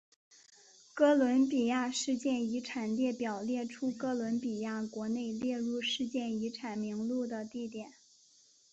哥伦比亚世界遗产列表列出哥伦比亚国内列入世界遗产名录的地点。